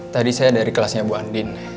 tadi saya dari kelasnya bu andin